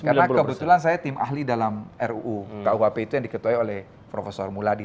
karena kebetulan saya tim ahli dalam ruu kuhp itu yang diketuai oleh prof muladi